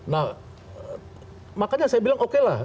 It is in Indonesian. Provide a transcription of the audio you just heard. nah makanya saya bilang okelah